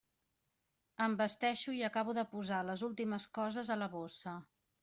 Em vesteixo i acabo de posar les últimes coses a la bossa.